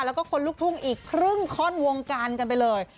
แล้วก็คนลูกทุ่งอีกครึ่งข้อนวงการกันไปเลย